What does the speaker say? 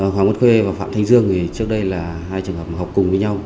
hoàng văn khê và phạm thanh dương thì trước đây là hai trường hợp học cùng với nhau